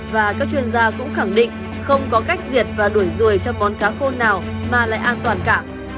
và các chuyên gia cũng khẳng định không có cách diệt và đuổi ruồi cho món cá khô nào mà lại an toàn cả